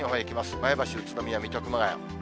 前橋、宇都宮、水戸、熊谷。